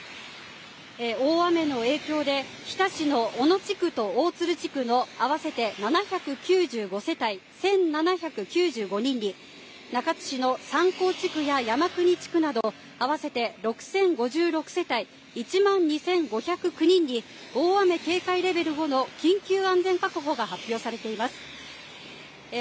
大雨の影響で日田市の小野地区と大鶴地区の合わせて７９５世帯１７９５人に中津市の三光地区や山国地区など合わせて６０５６世帯、１万２５０９人に大雨警戒レベル５の緊急安全確保が発表されています。